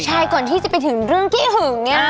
ใช่ก่อนที่จะไปถึงเรื่องกี้หือ